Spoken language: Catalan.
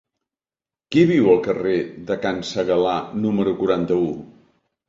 Qui viu al carrer de Can Segalar número quaranta-u?